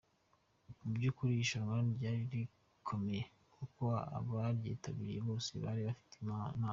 Mu by’ukuri irushanwa ryari rikomeye kuko abaryitabiriye bose bari bafite impano.